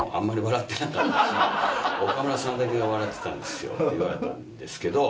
「岡村さんだけが笑ってたんですよ」って言われたんですけど。